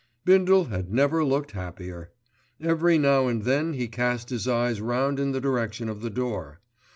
Bindle had never looked happier. Every now and then he cast his eyes round in the direction of the door.